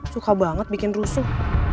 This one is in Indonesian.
suka banget bikin rusuh